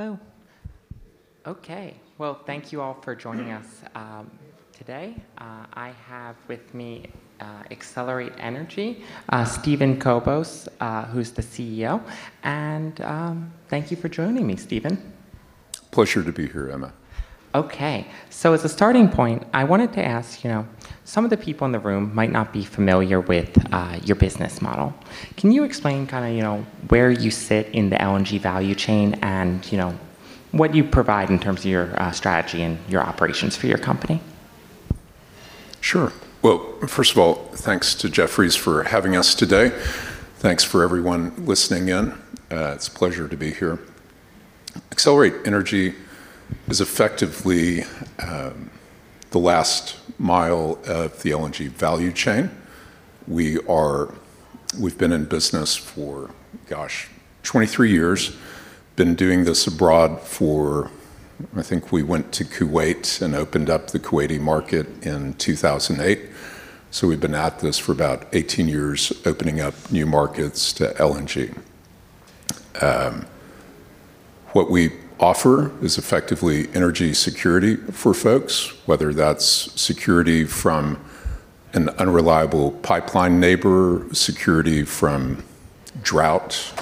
Hello. Okay. Well, thank you all for joining us today. I have with me Excelerate Energy Steven Kobos, who's the CEO. Thank you for joining me, Steven. Pleasure to be here, Emma. Okay. As a starting point, I wanted to ask, you know, some of the people in the room might not be familiar with, your business model. Can you explain kinda, you know, where you sit in the LNG value chain and, you know, what you provide in terms of your, strategy and your operations for your company? Sure. First of all, thanks to Jefferies for having us today. Thanks for everyone listening in. It's a pleasure to be here. Excelerate Energy is effectively the last mile of the LNG value chain. We've been in business for, gosh, 23 years. Been doing this abroad for... I think we went to Kuwait and opened up the Kuwaiti market in 2008. We've been at this for about 18 years, opening up new markets to LNG. What we offer is effectively energy security for folks, whether that's security from an unreliable pipeline neighbor, security from drought,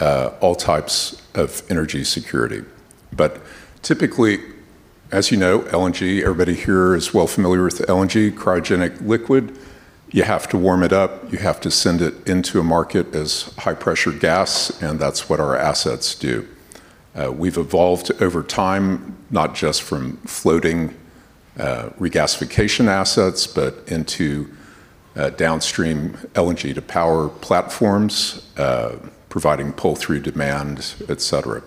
all types of energy security. Typically, as you know, LNG, everybody here is well familiar with LNG, cryogenic liquid. You have to warm it up. You have to send it into a market as high-pressure gas. That's what our assets do. We've evolved over time, not just from floating regasification assets, but into downstream LNG to power platforms, providing pull-through demand, et cetera.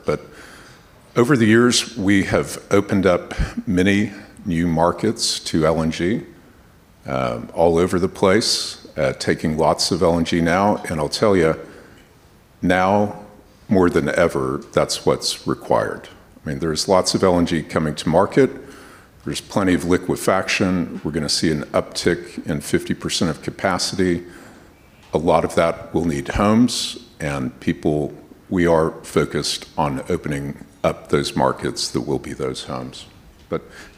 Over the years, we have opened up many new markets to LNG, all over the place, taking lots of LNG now, and I'll tell you, now more than ever, that's what's required. I mean, there's lots of LNG coming to market. There's plenty of liquefaction. We're gonna see an uptick in 50% of capacity. A lot of that will need homes and people. We are focused on opening up those markets that will be those homes.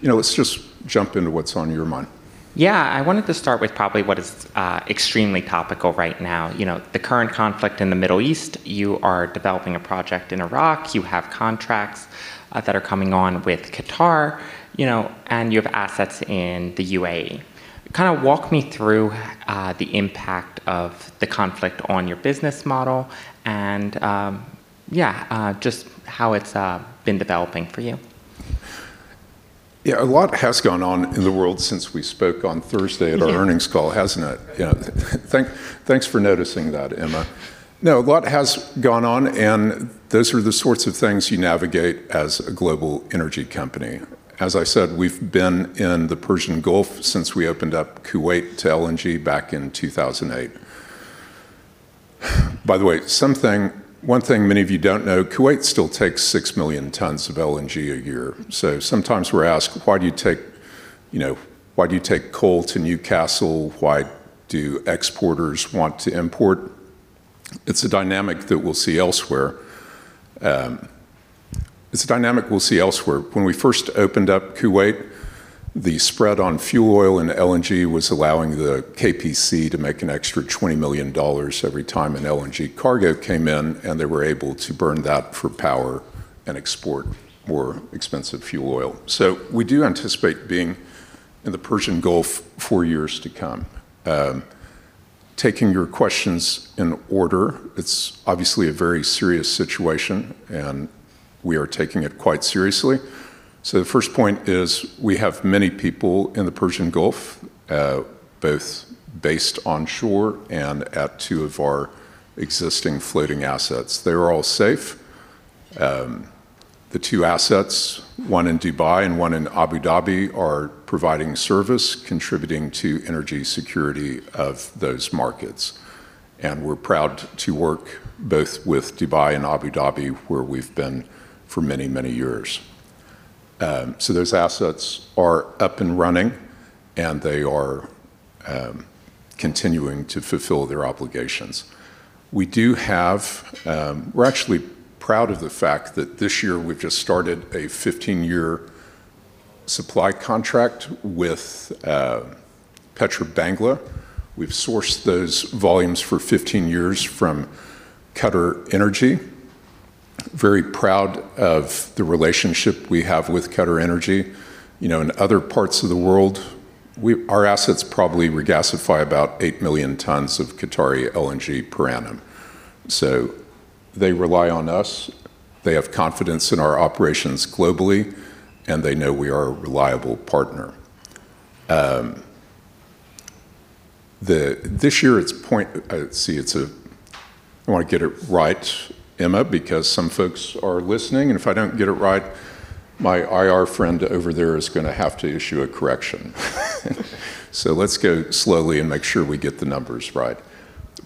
You know, let's just jump into what's on your mind. I wanted to start with probably what is extremely topical right now. You know, the current conflict in the Middle East. You are developing a project in Iraq. You have contracts that are coming on with Qatar, you know, and you have assets in the UAE. Kinda walk me through the impact of the conflict on your business model and, yeah, just how it's been developing for you? A lot has gone on in the world since we spoke on Thursday at our earnings call, hasn't it? You know, thanks for noticing that, Emma. No, a lot has gone on, and those are the sorts of things you navigate as a global energy company. As I said, we've been in the Persian Gulf since we opened up Kuwait to LNG back in 2008. By the way, one thing many of you don't know, Kuwait still takes 6 million tons of LNG a year. Sometimes we're asked, "Why do you take, you know, why do you take coal to Newcastle? Why do exporters want to import?" It's a dynamic that we'll see elsewhere. It's a dynamic we'll see elsewhere. When we first opened up Kuwait, the spread on fuel oil and LNG was allowing the KPC to make an extra $20 million every time an LNG cargo came in, and they were able to burn that for power and export more expensive fuel oil. We do anticipate being in the Persian Gulf for years to come. Taking your questions in order, it's obviously a very serious situation, and we are taking it quite seriously. The first point is we have many people in the Persian Gulf, both based onshore and at two of our existing floating assets. They're all safe. The two assets, one in Dubai and one in Abu Dhabi, are providing service, contributing to energy security of those markets, and we're proud to work both with Dubai and Abu Dhabi, where we've been for many, many years. Those assets are up and running, and they are continuing to fulfill their obligations. We do have. We're actually proud of the fact that this year we've just started a 15-year supply contract with Petrobangla. We've sourced those volumes for 15 years from QatarEnergy. Very proud of the relationship we have with QatarEnergy. You know, in other parts of the world, our assets probably regasify about 8 million tons of Qatari LNG per annum. They rely on us, they have confidence in our operations globally, and they know we are a reliable partner. This year it's I wanna get it right, Emma, because some folks are listening, and if I don't get it right, my IR friend over there is gonna have to issue a correction. Let's go slowly and make sure we get the numbers right.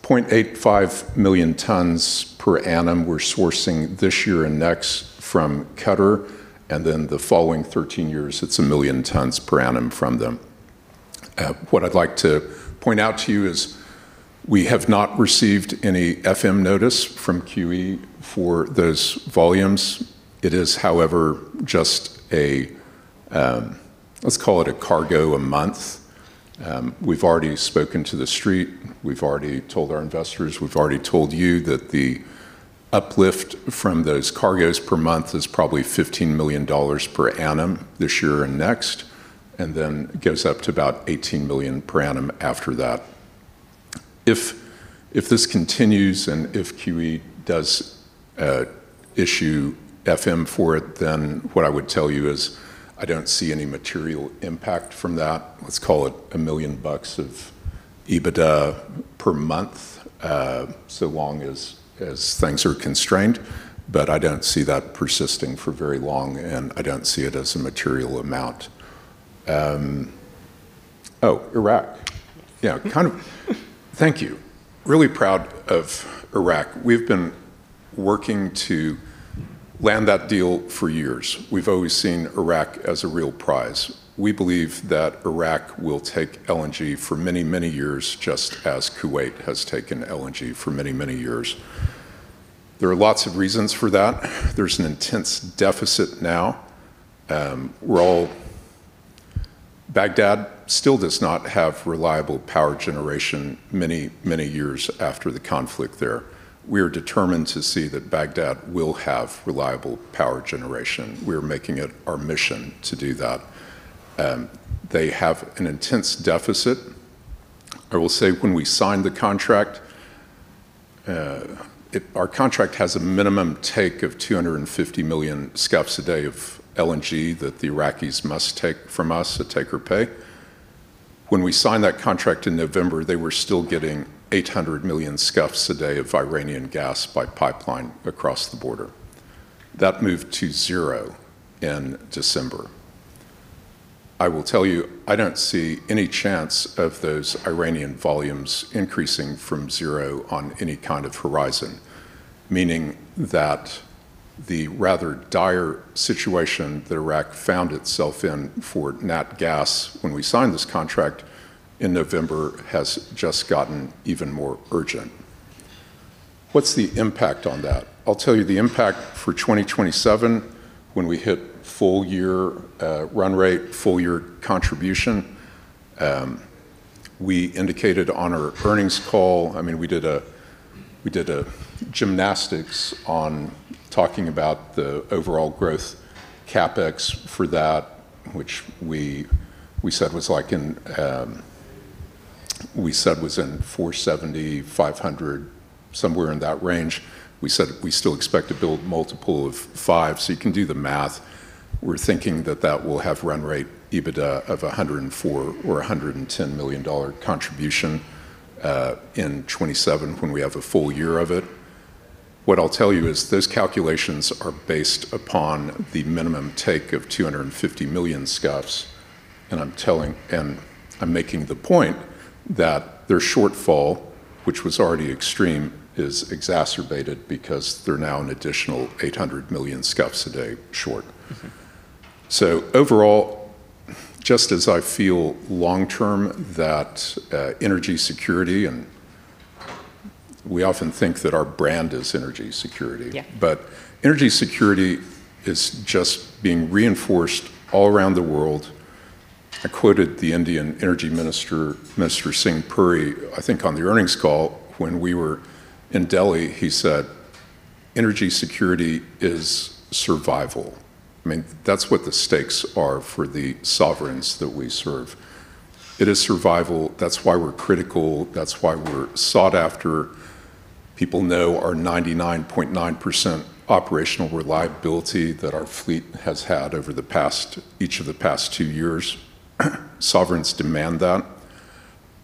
0.85 million tons per annum we're sourcing this year and next from Qatar, and then the following 13 years, it's 1 million tons per annum from them. What I'd like to point out to you is we have not received any FM notice from QE for those volumes. It is, however, just a, let's call it a cargo a month. We've already spoken to the street. We've already told our investors. We've already told you that the uplift from those cargoes per month is probably $15 million per annum this year and next, and then goes up to about $18 million per annum after that. If this continues and if QE does issue FM for it, then what I would tell you is I don't see any material impact from that. Let's call it $1 million of EBITDA per month, so long as things are constrained. I don't see that persisting for very long, and I don't see it as a material amount. Oh, Iraq. Yeah. Thank you. Really proud of Iraq. We've been working to land that deal for years. We've always seen Iraq as a real prize. We believe that Iraq will take LNG for many, many years, just as Kuwait has taken LNG for many, many years. There are lots of reasons for that. There's an intense deficit now. Baghdad still does not have reliable power generation many, many years after the conflict there. We are determined to see that Baghdad will have reliable power generation. We're making it our mission to do that. They have an intense deficit. I will say when we signed the contract, our contract has a minimum take of 250 million scf a day of LNG that the Iraqis must take from us at take-or-pay. When we signed that contract in November, they were still getting 800 million scf a day of Iranian gas by pipeline across the border. That moved to zero in December. I will tell you, I don't see any chance of those Iranian volumes increasing from zero on any kind of horizon, meaning that the rather dire situation that Iraq found itself in for nat gas when we signed this contract in November has just gotten even more urgent. What's the impact on that? I'll tell you the impact for 2027 when we hit full year, run rate, full-year contribution, we indicated on our earnings call. I mean, we did a gymnastics on talking about the overall growth CapEx for that, which we said was like in $470 million-$500 million, somewhere in that range. We said we still expect to build multiple of five. You can do the math. We're thinking that that will have run rate EBITDA of $104 million or $110 million contribution in 2027 when we have a full year of it. What I'll tell you is those calculations are based upon the minimum take of 250 million scf, and I'm making the point that their shortfall, which was already extreme, is exacerbated because they're now an additional 800 million scf a day short. Overall, just as I feel long-term that energy security and we often think that our brand is energy security. Energy security is just being reinforced all around the world. I quoted the Indian Energy Minister Mr. Singh Puri, I think on the earnings call when we were in Delhi. He said, "Energy security is survival." I mean, that's what the stakes are for the sovereigns that we serve. It is survival. That's why we're critical. That's why we're sought after. People know our 99.9% operational reliability that our fleet has had over the past, each of the past two years. Sovereigns demand that,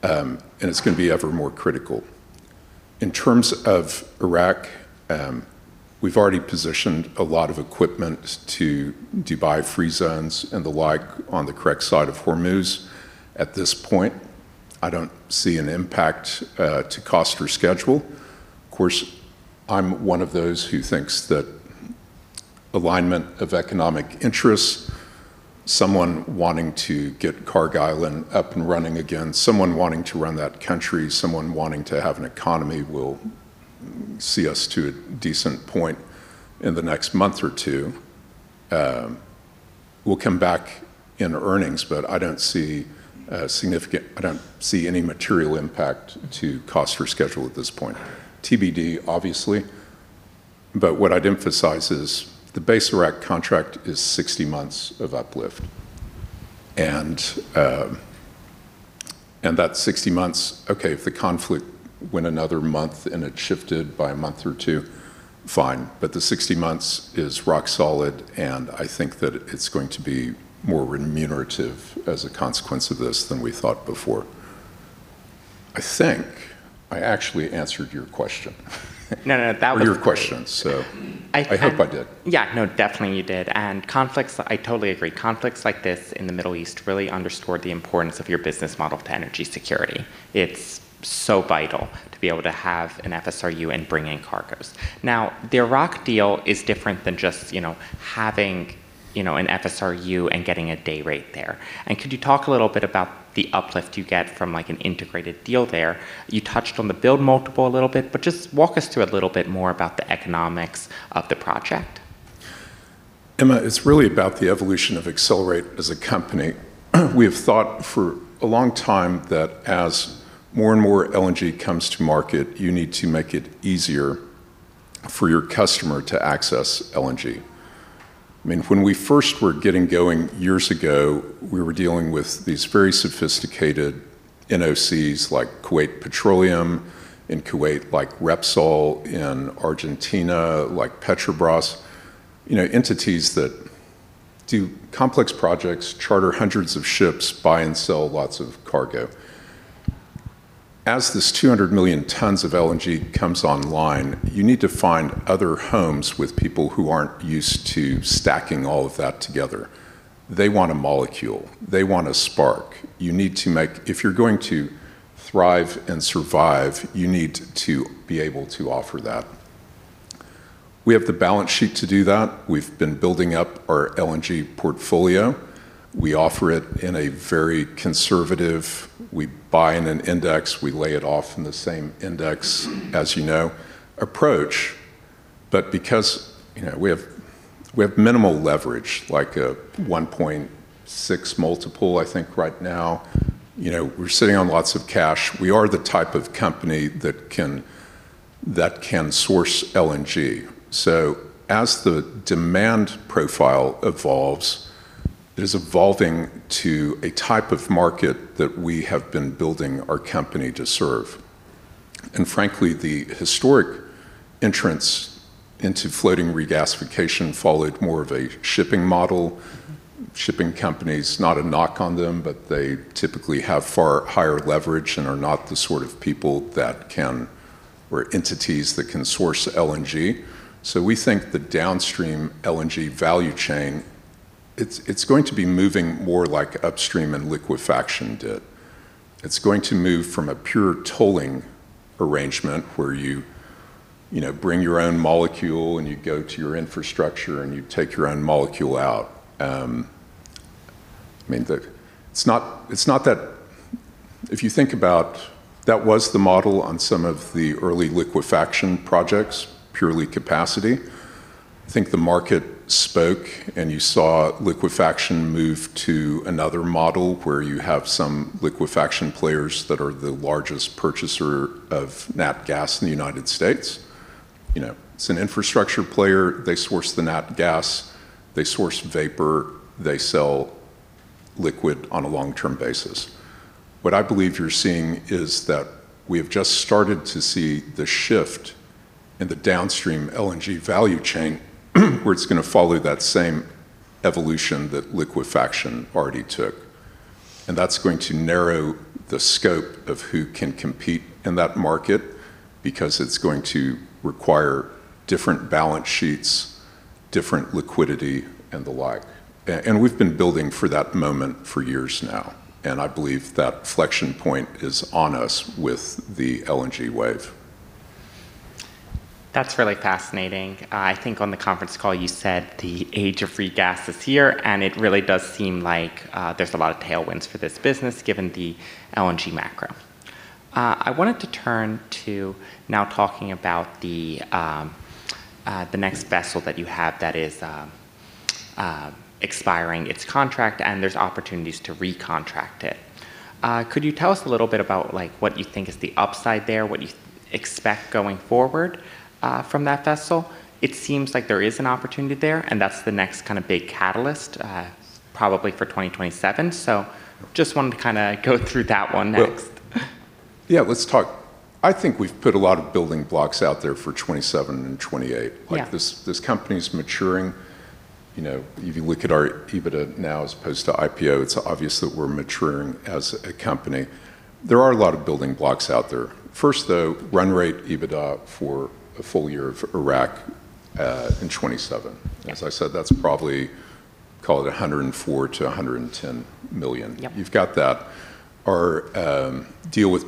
and it's going to be ever more critical. In terms of Iraq, we've already positioned a lot of equipment to Dubai free zones and the like on the correct side of Hormuz. At this point, I don't see an impact to cost or schedule. Of course, I'm one of those who thinks that alignment of economic interests, someone wanting to get Cargill and up and running again, someone wanting to run that country, someone wanting to have an economy will see us to a decent point in the next month or two. We'll come back in earnings, but I don't see any material impact to cost or schedule at this point. TBD, obviously. What I'd emphasize is the base Iraq contract is 60 months of uplift. That 60 months, okay, if the conflict went another month and it shifted by a month or two, fine. The 60 months is rock solid, and I think that it's going to be more remunerative as a consequence of this than we thought before. I think I actually answered your question. No, no. That was great. Your question. I hope I did. Yeah. No, definitely you did. Conflicts, I totally agree. Conflicts like this in the Middle East really underscore the importance of your business model to energy security. It's so vital to be able to have an FSRU and bring in cargoes. Now, the Iraq deal is different than just, you know, having, you know, an FSRU and getting a day rate there. Could you talk a little bit about the uplift you get from, like, an integrated deal there? You touched on the build multiple a little bit. Just walk us through a little bit more about the economics of the project. Emma, it's really about the evolution of Excelerate as a company. We have thought for a long time that as more and more LNG comes to market, you need to make it easier for your customer to access LNG. I mean, when we first were getting going years ago, we were dealing with these very sophisticated NOCs like Kuwait Petroleum in Kuwait, like Repsol in Argentina, like Petrobras, you know, entities that do complex projects, charter hundreds of ships, buy and sell lots of cargo. As this 200 million tons of LNG comes online, you need to find other homes with people who aren't used to stacking all of that together. They want a molecule. They want a spark. If you're going to thrive and survive, you need to be able to offer that. We have the balance sheet to do that. We've been building up our LNG portfolio. We offer it in a very conservative, we buy in an index, we lay it off in the same index, as you know, approach. Because, you know, we have minimal leverage, like a 1.6x multiple, I think, right now. You know, we're sitting on lots of cash. We are the type of company that can source LNG. As the demand profile evolves, it is evolving to a type of market that we have been building our company to serve. Frankly, the historic entrance into floating regasification followed more of a shipping model. Shipping companies, not a knock on them, but they typically have far higher leverage and are not the sort of people that can, or entities that can source LNG. We think the downstream LNG value chain, it's going to be moving more like upstream and liquefaction did. It's going to move from a pure tolling arrangement where you know, bring your own molecule and you go to your infrastructure and you take your own molecule out. I mean, if you think about that was the model on some of the early liquefaction projects, purely capacity. I think the market spoke and you saw liquefaction move to another model where you have some liquefaction players that are the largest purchaser of nat gas in the United States. You know, it's an infrastructure player. They source the nat gas, they source vapor, they sell liquid on a long-term basis. What I believe you're seeing is that we have just started to see the shift in the downstream LNG value chain where it's going to follow that same evolution that liquefaction already took. That's going to narrow the scope of who can compete in that market because it's going to require different balance sheets, different liquidity and the like. We've been building for that moment for years now, and I believe that flexion point is on us with the LNG wave. That's really fascinating. I think on the conference call you said the age of regas is here. It really does seem like, there's a lot of tailwinds for this business given the LNG macro. I wanted to turn to now talking about the next vessel that you have that is, expiring its contract and there's opportunities to recontract it. Could you tell us a little bit about, like, what you think is the upside there? What do you expect going forward, from that vessel? It seems like there is an opportunity there, and that's the next kind of big catalyst, probably for 2027. Just wanted to kinda go through that one next. Let's talk. I think we've put a lot of building blocks out there for 2027 and 2028. Like, this company's maturing. You know, if you look at our EBITDA now as opposed to IPO, it's obvious that we're maturing as a company. There are a lot of building blocks out there. First, though, run rate EBITDA for a full year of Iraq in 2027. As I said, that's probably, call it $104 million-$110 million. You've got that. Our deal with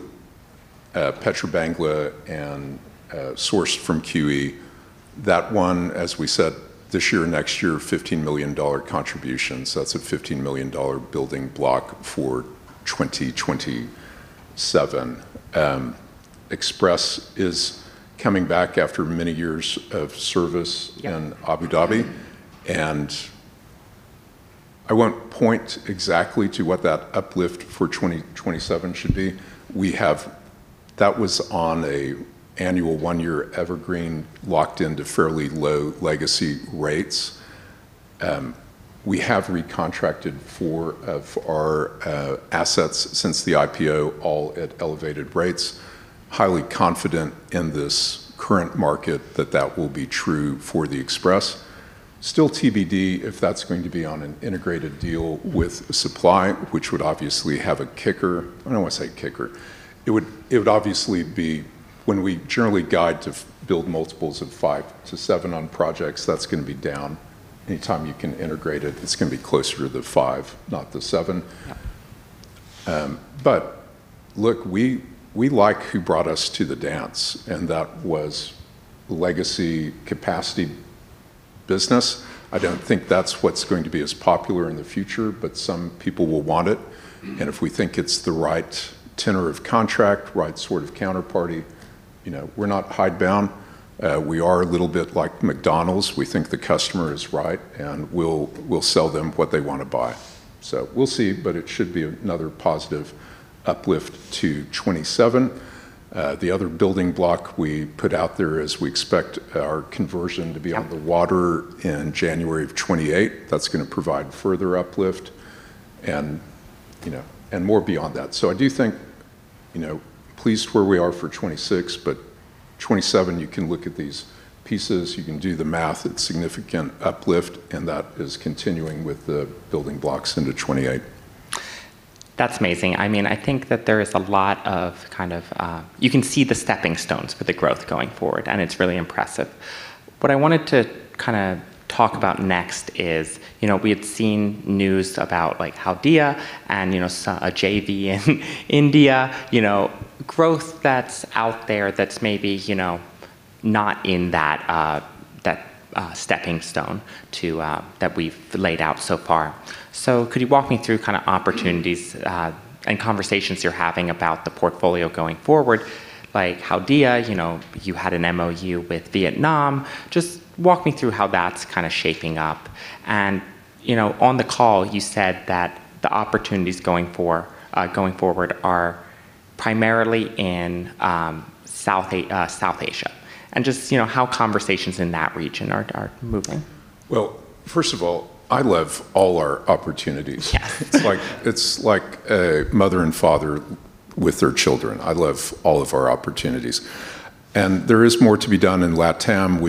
Petrobangla and sourced from QE, that one, as we said, this year, next year, $15 million contribution. That's a $15 million building block for 2027. Express is coming back after many years of service in Abu Dhabi. I won't point exactly to what that uplift for 2027 should be. That was on a annual one-year evergreen locked into fairly low legacy rates. We have recontracted four of our assets since the IPO, all at elevated rates. Highly confident in this current market that that will be true for the Express. Still TBD if that's going to be on an integrated deal with a supply, which would obviously have a kicker. I don't want to say kicker. It would obviously be when we generally guide to build multiples of five to seven on projects, that's going to be down. Anytime you can integrate it's going to be closer to the five, not the seven. Look, we like who brought us to the dance, and that was Legacy Capacity business. I don't think that's what's going to be as popular in the future, but some people will want it. If we think it's the right tenor of contract, right sort of counterparty. You know, we're not hidebound. We are a little bit like McDonald's. We think the customer is right, and we'll sell them what they want to buy. We'll see, but it should be another positive uplift to 2027. The other building block we put out there is we expect our conversion to be on the water in January of 2028. That's going to provide further uplift and, you know, and more beyond that. I do think, you know, pleased where we are for 2026, but 2027, you can look at these pieces, you can do the math, it's significant uplift, and that is continuing with the building blocks into 2028. That's amazing. I mean, I think that there is a lot of kind of, you can see the stepping stones for the growth going forward, and it's really impressive. What I wanted to kind of talk about next is, you know, we had seen news about like how Haldia and, you know, a JV in India, you know, growth that's out there that's maybe, you know, not in that stepping stone to that we've laid out so far. Could you walk me through kind of opportunities and conversations you're having about the portfolio going forward, like how Haldia, you know, you had an MOU with Vietnam. Just walk me through how that's kind of shaping up. You know, on the call, you said that the opportunities going forward are primarily in South Asia. Just, you know, how conversations in that region are moving. Well, first of all, I love all our opportunities. It's like a mother and father with their children. I love all of our opportunities. There is more to be done in LATAM.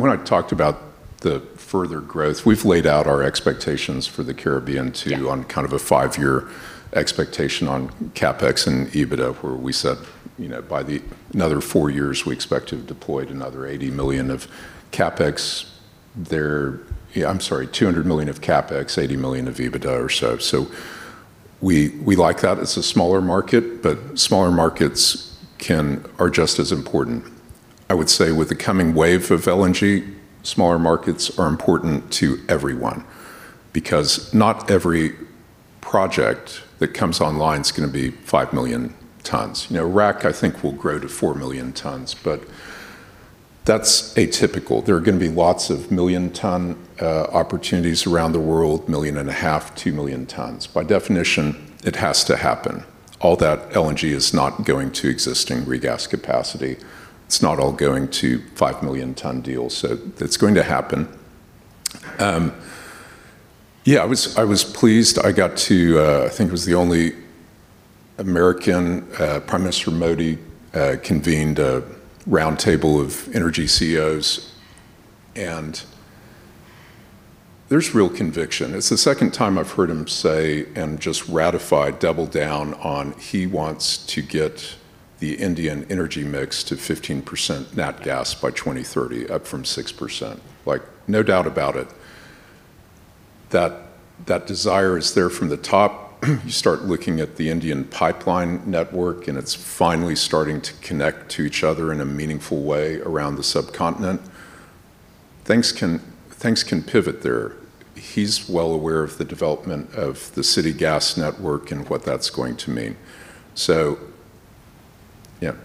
When I talked about the further growth, we've laid out our expectations for the Caribbean too on kind of a five-year expectation on CapEx and EBITDA, where we said, you know, by the another four years, we expect to have deployed another $80 million of CapEx there. Yeah, I'm sorry, $200 million of CapEx, $80 million of EBITDA or so. So we like that. It's a smaller market, but smaller markets are just as important. I would say with the coming wave of LNG, smaller markets are important to everyone because not every project that comes online is going to be 5 million tons. You know, Iraq, I think, will grow to 4 million tons, but that's atypical. There are going to be lots of million-ton opportunities around the world, 1.5 million, 2 million tons. By definition, it has to happen. All that LNG is not going to existing regas capacity. It's not all going to 5 million-ton deals. It's going to happen. Yeah, I was, I was pleased. I got to, I think it was the only American, Prime Minister Modi convened a roundtable of energy CEOs, and there's real conviction. It's the second time I've heard him say and just ratify, double down on he wants to get the Indian energy mix to 15% nat gas by 2030, up from 6%. No doubt about it. That, that desire is there from the top. You start looking at the Indian pipeline network, and it's finally starting to connect to each other in a meaningful way around the subcontinent. Things can, things can pivot there. He's well aware of the development of the City Gas Distribution and what that's going to mean. You know,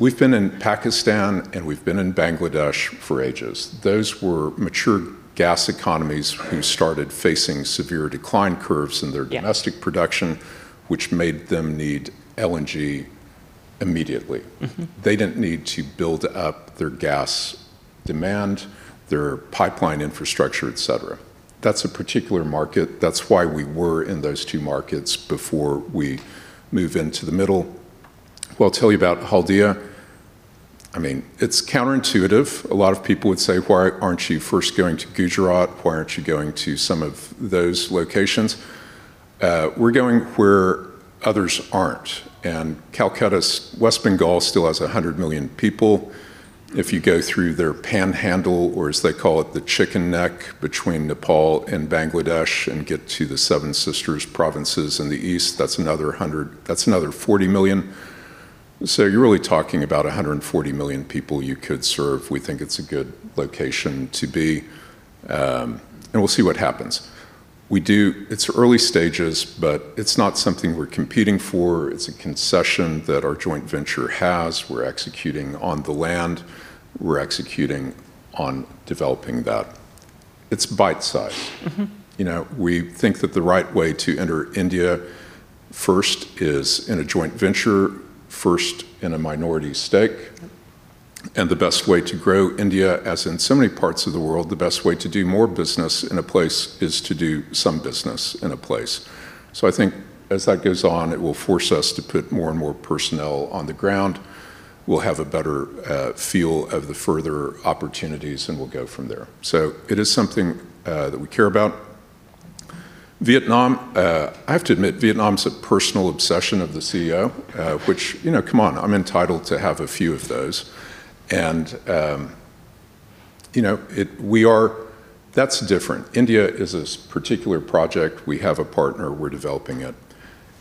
we've been in Pakistan, and we've been in Bangladesh for ages. Those were mature gas economies who started facing severe decline curves in their domestic production, which made them need LNG immediately. They didn't need to build up their gas demand, their pipeline infrastructure, et cetera. That's a particular market. That's why we were in those two markets before we move into the middle. Well, I'll tell you about Haldia. I mean, it's counterintuitive. A lot of people would say, "Why aren't you first going to Gujarat? Why aren't you going to some of those locations?" We're going where others aren't. West Bengal still has 100 million people. If you go through their panhandle, or as they call it, the chicken neck between Nepal and Bangladesh, and get to the Seven Sisters provinces in the east, that's another 40 million. You're really talking about 140 million people you could serve. We think it's a good location to be, and we'll see what happens. It's early stages, but it's not something we're competing for. It's a concession that our joint venture has. We're executing on the land. We're executing on developing that. It's bite-size. You know, we think that the right way to enter India first is in a joint venture, first in a minority stake. The best way to grow India, as in so many parts of the world, the best way to do more business in a place is to do some business in a place. I think as that goes on, it will force us to put more and more personnel on the ground. We'll have a better feel of the further opportunities, and we'll go from there. It is something that we care about. Vietnam, I have to admit, Vietnam's a personal obsession of the CEO, which, you know, come on, I'm entitled to have a few of those. You know, That's different. India is this particular project. We have a partner. We're developing it.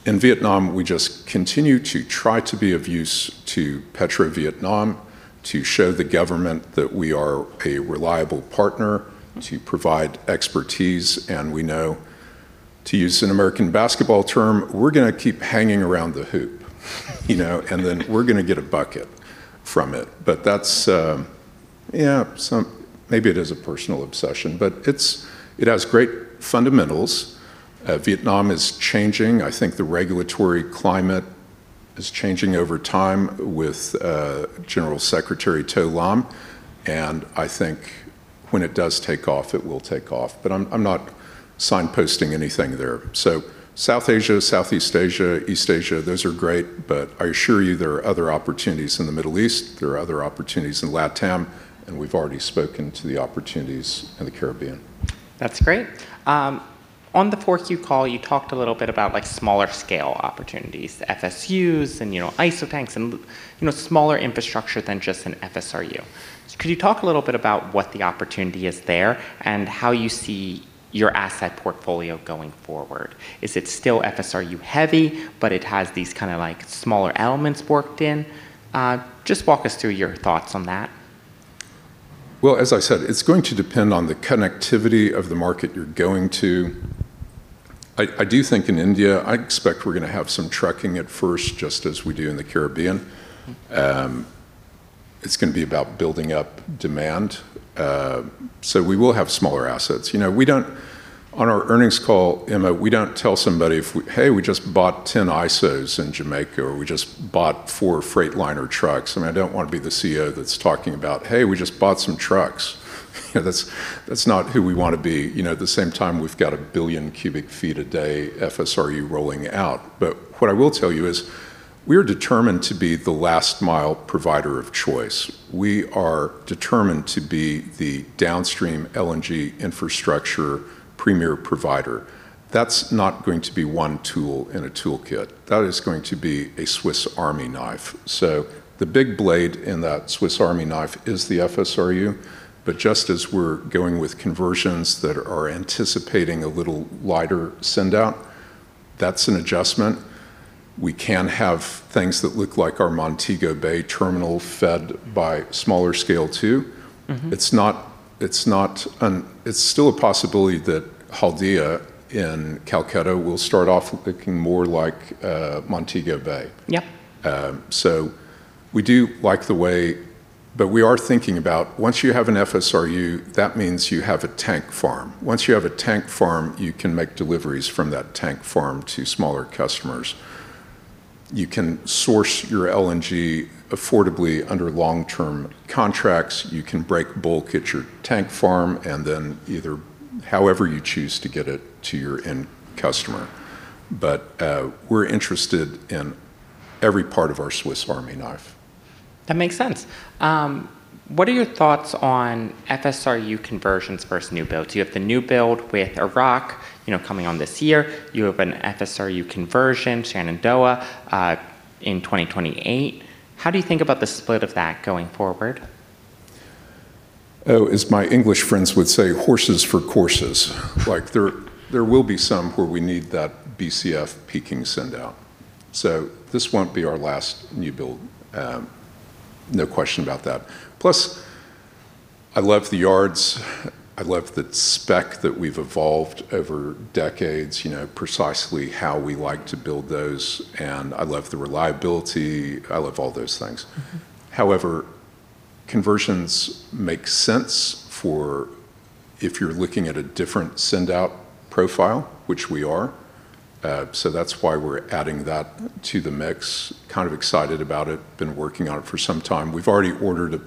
In Vietnam, we just continue to try to be of use to PetroVietnam, to show the government that we are a reliable partner, to provide expertise. To use an American basketball term, we're gonna keep hanging around the hoop, you know, and then we're gonna get a bucket from it. That's, yeah, maybe it is a personal obsession, but it has great fundamentals. Vietnam is changing. I think the regulatory climate is changing over time with General Secretary Tô Lâm, and I think when it does take off, it will take off. I'm not signposting anything there. South Asia, Southeast Asia, East Asia, those are great, but I assure you there are other opportunities in the Middle East, there are other opportunities in LATAM, and we've already spoken to the opportunities in the Caribbean. That's great. On the fourth Q call, you talked a little bit about like smaller scale opportunities, FSUs and, you know, ISO tanks and you know, smaller infrastructure than just an FSRU. Could you talk a little bit about what the opportunity is there and how you see your asset portfolio going forward? Is it still FSRU heavy, but it has these kinda like smaller elements worked in? Just walk us through your thoughts on that? Well, as I said, it's going to depend on the connectivity of the market you're going to. I do think in India, I expect we're gonna have some trucking at first, just as we do in the Caribbean. It's gonna be about building up demand, so we will have smaller assets. You know, on our earnings call, Emma, we don't tell somebody "Hey, we just bought 10 ISOs in Jamaica," or, "We just bought four Freightliner trucks." I mean, I don't want to be the CEO that's talking about, "Hey, we just bought some trucks." You know, that's not who we want to be. You know, at the same time, we've got 1 billion cu ft a day FSRU rolling out. What I will tell you is we're determined to be the last mile provider of choice. We are determined to be the downstream LNG infrastructure premier provider. That's not going to be one tool in a toolkit. That is going to be a Swiss Army knife. The big blade in that Swiss Army knife is the FSRU, but just as we're going with conversions that are anticipating a little lighter sendout, that's an adjustment. We can have things that look like our Montego Bay terminal fed by smaller scale too. It's not, it's not it's still a possibility that Haldia in Calcutta will start off looking more like Montego Bay. We are thinking about once you have an FSRU, that means you have a tank farm. Once you have a tank farm, you can make deliveries from that tank farm to smaller customers. You can source your LNG affordably under long-term contracts. You can break bulk at your tank farm and then either however you choose to get it to your end customer. We're interested in every part of our Swiss Army knife. That makes sense. What are your thoughts on FSRU conversions versus new builds? You have the new build with Iraq, you know, coming on this year. You have an FSRU conversion, Shenandoah, in 2028. How do you think about the split of that going forward? Oh, as my English friends would say, horses for courses. Like, there will be some where we need that BCF peaking sendout. This won't be our last new build, no question about that. I love the yards. I love the spec that we've evolved over decades, you know, precisely how we like to build those, and I love the reliability. I love all those things. Conversions make sense for if you're looking at a different sendout profile, which we are. That's why we're adding that to the mix. Kind of excited about it. Been working on it for some time. We've already ordered a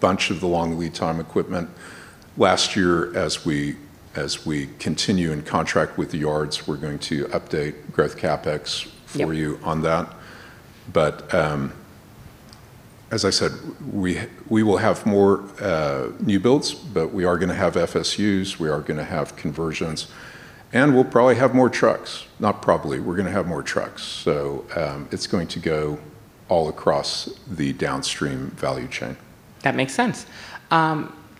bunch of the long lead time equipment. Last year, as we continue and contract with the yards, we're going to update growth CapEx for you on that. As I said, we will have more new builds, but we are gonna have FSUs, we are gonna have conversions, and we'll probably have more trucks. Not probably, we're gonna have more trucks. It's going to go all across the downstream value chain. That makes sense.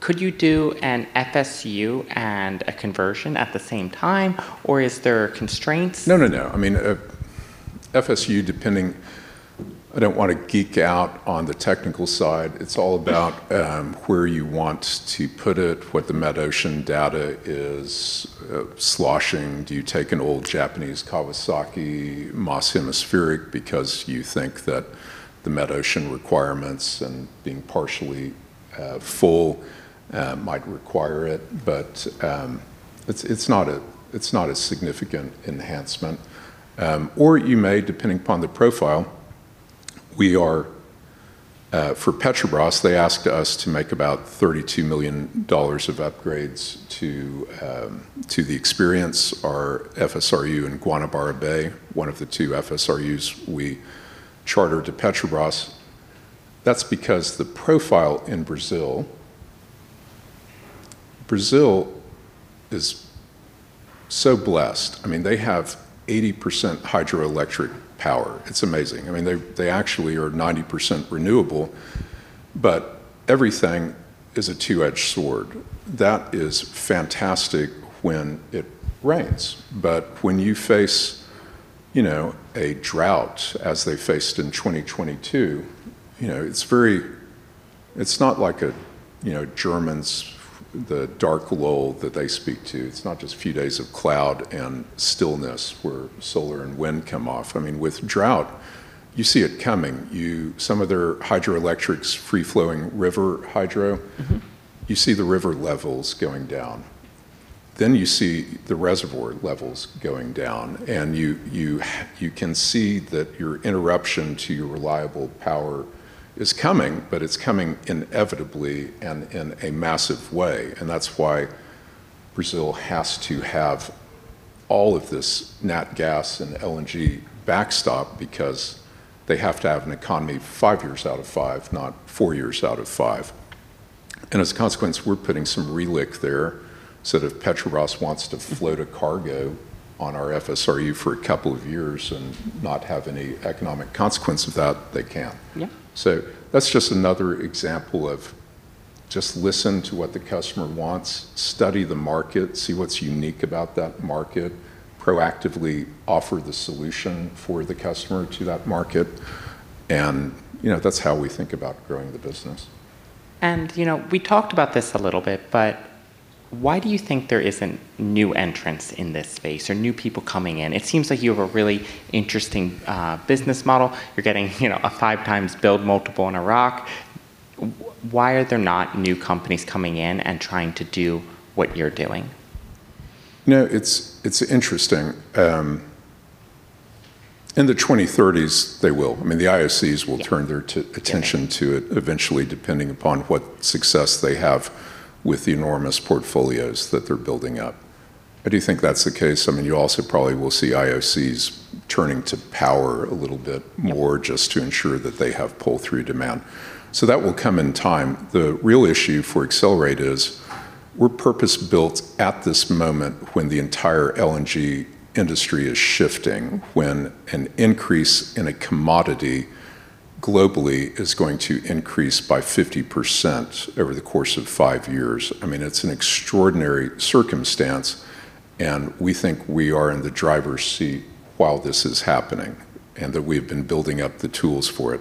Could you do an FSU and a conversion at the same time, or is there constraints? No, no. I mean, a FSU. I don't wanna geek out on the technical side. It's all about where you want to put it, what the met ocean data is, sloshing. Do you take an old Japanese Kawasaki Moss Hemispheric because you think that the met ocean requirements and being partially full might require it? It's not a significant enhancement. You may, depending upon the profile. We are for Petrobras, they asked us to make about $32 million of upgrades to the Experience, our FSRU in Guanabara Bay, one of the two FSRUs we chartered to Petrobras. That's because the profile in Brazil... Brazil is so blessed. I mean, they have 80% hydroelectric power. It's amazing. I mean, they actually are 90% renewable. Everything is a two-edged sword. That is fantastic when it rains. When you face, you know, a drought as they faced in 2022, you know, it's not like a, you know, Germans, the dark lull that they speak to. It's not just a few days of cloud and stillness where solar and wind come off. I mean, with drought, you see it coming. Some of their hydroelectrics, free-flowing river. You see the river levels going down. You see the reservoir levels going down, you can see that your interruption to your reliable power is coming, but it's coming inevitably and in a massive way. That's why Brazil has to have all of this nat gas and LNG backstop because they have to have an economy five years out of five, not four years out of five. As a consequence, we're putting some reliquefaction there, so that if Petrobras wants to float a cargo on our FSRU for a couple of years and not have any economic consequence of that, they can. That's just another example of just listen to what the customer wants, study the market, see what's unique about that market, proactively offer the solution for the customer to that market, and, you know, that's how we think about growing the business. You know, we talked about this a little bit, but why do you think there isn't new entrants in this space or new people coming in? It seems like you have a really interesting business model. You're getting, you know, a five times build multiple in a rock. Why are there not new companies coming in and trying to do what you're doing? You know, it's interesting. In the 2030s, they will. I mean, the IOCs will turn their attention to it eventually, depending upon what success they have with the enormous portfolios that they're building up. I do think that's the case. I mean, you also probably will see IOCs turning to power a little bit more just to ensure that they have pull-through demand. That will come in time. The real issue for Excelerate is we're purpose-built at this moment when the entire LNG industry is shifting, when an increase in a commodity globally is going to increase by 50% over the course of five years. I mean, it's an extraordinary circumstance, and we think we are in the driver's seat while this is happening, and that we've been building up the tools for it.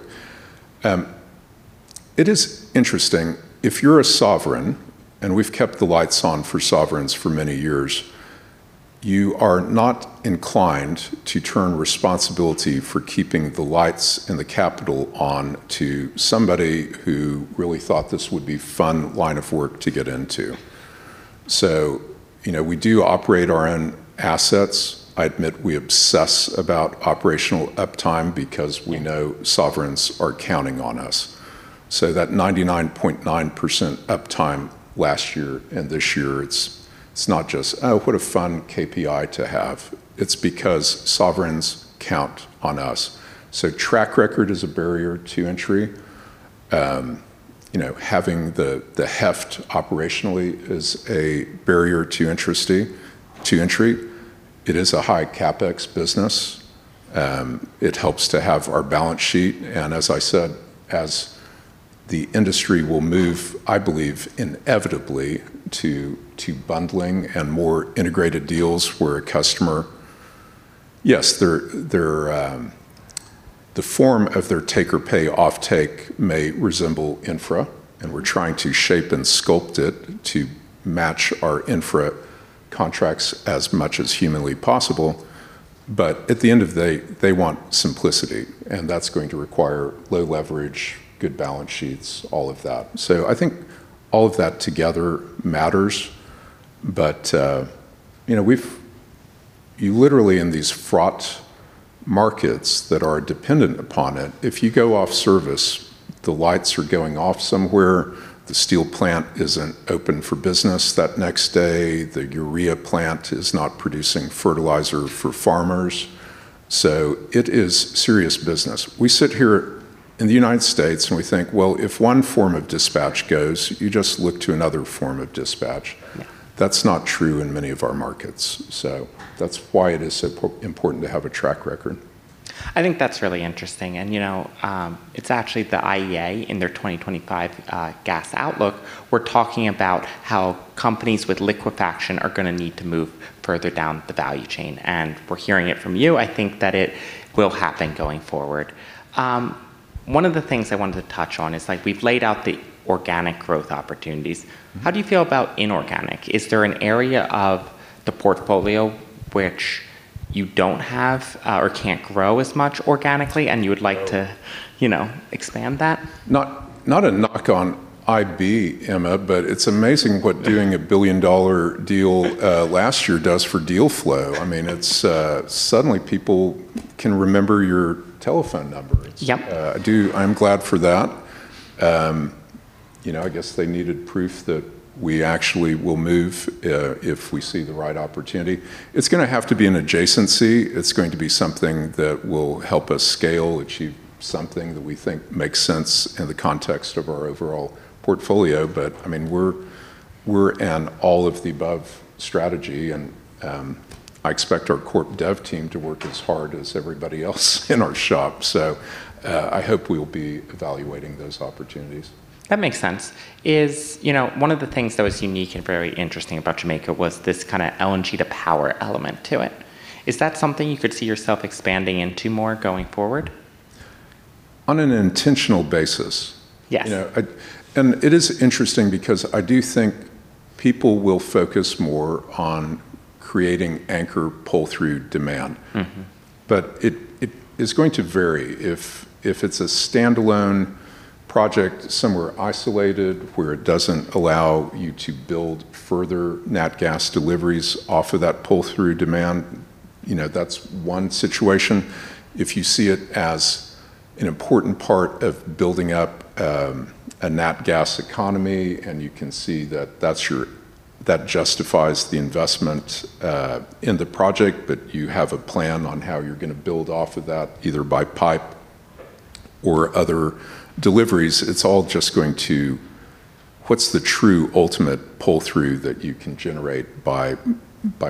It is interesting. If you're a sovereign, and we've kept the lights on for sovereigns for many years, you are not inclined to turn responsibility for keeping the lights and the capital on to somebody who really thought this would be fun line of work to get into. You know, we do operate our own assets. I admit we obsess about operational uptime because we know sovereigns are counting on us. That 99.9% uptime last year and this year, it's not just, oh, what a fun KPI to have. It's because sovereigns count on us. Track record is a barrier to entry. You know, having the heft operationally is a barrier to entry. It is a high CapEx business. It helps to have our balance sheet. As I said, as the industry will move, I believe inevitably to bundling and more integrated deals where a customer. Yes, their, the form of their take or pay offtake may resemble infra, and we're trying to shape and sculpt it to match our infra contracts as much as humanly possible. At the end of the day, they want simplicity, and that's going to require low leverage, good balance sheets, all of that. I think all of that together matters. You know, you literally in these fraught markets that are dependent upon it, if you go off service, the lights are going off somewhere, the steel plant isn't open for business that next day, the urea plant is not producing fertilizer for farmers. It is serious business. We sit here in the United States, and we think, well, if one form of dispatch goes, you just look to another form of dispatch. That's not true in many of our markets. That's why it is so important to have a track record. I think that's really interesting. You know, it's actually the IEA in their 2025 gas outlook, were talking about how companies with liquefaction are gonna need to move further down the value chain. We're hearing it from you. I think that it will happen going forward. One of the things I wanted to touch on is like we've laid out the organic growth opportunities. How do you feel about inorganic? Is there an area of the portfolio which you don't have, or can't grow as much organically, and you would like to, you know, expand that? Not a knock on IB, Emma, but it's amazing what doing a billion-dollar deal last year does for deal flow. I mean, it's suddenly people can remember your telephone number. I'm glad for that. you know, I guess they needed proof that we actually will move if we see the right opportunity. It's gonna have to be an adjacency. It's going to be something that will help us scale, achieve something that we think makes sense in the context of our overall portfolio. I mean, we're an all-of-the-above strategy, and I expect our Corp Dev team to work as hard as everybody else in our shop. I hope we'll be evaluating those opportunities. That makes sense. You know, one of the things that was unique and very interesting about Jamaica was this kinda LNG to power element to it. Is that something you could see yourself expanding into more going forward? On an intentional basis. Yes. You know, it is interesting because I do think people will focus more on creating anchor pull-through demand. It is going to vary. If it's a standalone project somewhere isolated where it doesn't allow you to build further nat gas deliveries off of that pull-through demand, you know, that's one situation. If you see it as an important part of building up a nat gas economy, and you can see that that justifies the investment in the project, but you have a plan on how you're gonna build off of that, either by pipe or other deliveries, it's all just going to what's the true ultimate pull-through that you can generate by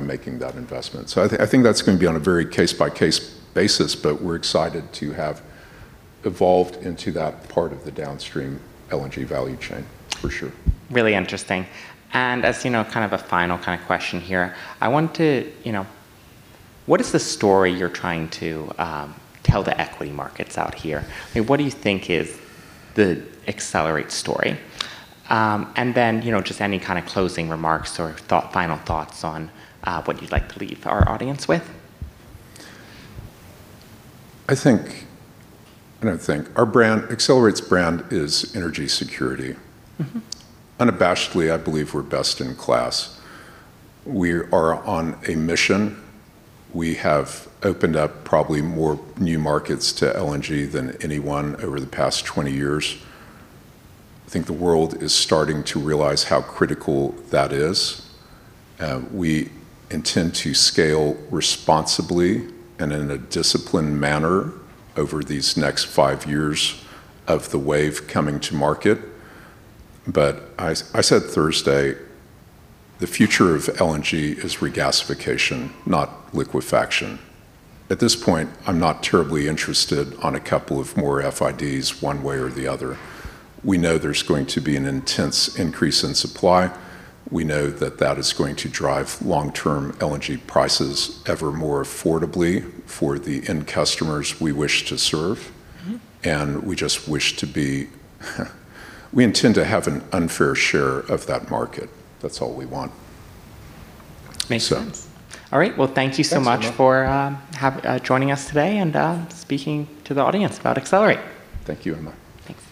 making that investment? I think that's gonna be on a very case-by-case basis, but we're excited to have evolved into that part of the downstream LNG value chain, for sure. Really interesting. As you know, kind of a final kind of question here, I want to, you know. What is the story you're trying to tell the equity markets out here? I mean, what do you think is the Excelerate story? You know, just any kind of closing remarks or thought, final thoughts on what you'd like to leave our audience with. I don't think. Our brand, Excelerate's brand is energy security. Unabashedly, I believe we're best in class. We are on a mission. We have opened up probably more new markets to LNG than anyone over the past 20 years. I think the world is starting to realize how critical that is. We intend to scale responsibly and in a disciplined manner over these next five years of the wave coming to market. I said Thursday, the future of LNG is regasification, not liquefaction. At this point, I'm not terribly interested on a couple of more FIDs one way or the other. We know there's going to be an intense increase in supply. We know that that is going to drive long-term LNG prices ever more affordably for the end customers we wish to serve. We intend to have an unfair share of that market. That's all we want. Makes sense. So. All right. Well, thank you so much- Thanks, Emma.... for joining us today and speaking to the audience about Excelerate. Thank you, Emma. Thanks.